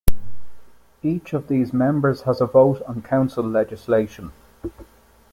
Each of these members has a vote on council legislation.